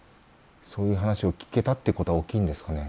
そういう話を聞けたってことは大きいんですかね？